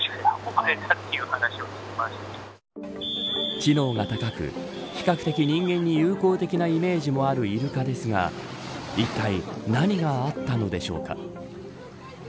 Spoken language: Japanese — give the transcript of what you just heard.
知能が高く、比較的人間に友好的なイメージがあるイルカですかいったい何があったのでしょうか。